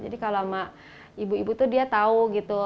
jadi kalau sama ibu ibu itu dia tahu gitu